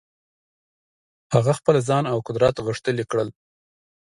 هغه خپل ځان او قدرت غښتلي کړل.